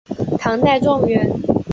唐代状元。